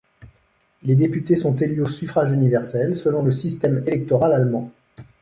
Les députés sont élus au suffrage universel, selon le système électoral allemand.